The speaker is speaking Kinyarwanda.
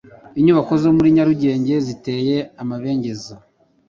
Inyubako zo muri nyarugenge ziteye amabengeza